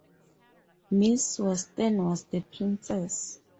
Miss Western was the princess.